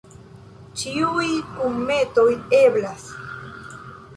Ĉiuj kunmetoj eblas.